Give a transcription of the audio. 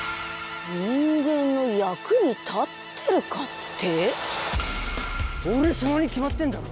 人間の役に立ってるかって？